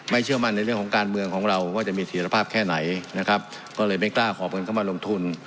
เชื่อมั่นในเรื่องของการเมืองของเราว่าจะมีธีรภาพแค่ไหนนะครับก็เลยไม่กล้าหอบเงินเข้ามาลงทุน